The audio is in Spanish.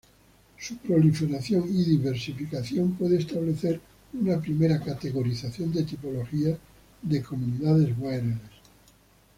Su proliferación y diversificación puede establecer una primera categorización de tipologías de comunidades wireless.